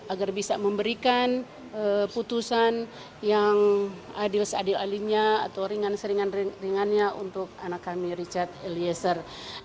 agar bisa memberikan putusan yang adil seadil adilnya atau ringan seringan ringannya untuk anak kami richard eliezer